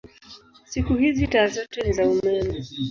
Siku hizi taa zote ni za umeme.